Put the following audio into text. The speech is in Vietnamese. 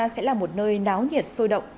sẽ là một nơi náo nhiệt sôi động